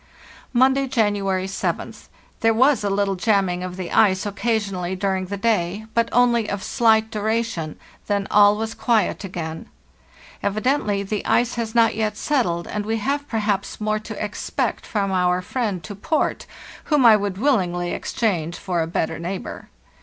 "Monday, January 7th. There was a little jamming of the ice occasionally during the day, but only of slight duration, then all was quiet again. Evidently the ice has not yet settled, and we have perhaps more to expect from our friend to port, whom I would willingly ex change for a better neighbor.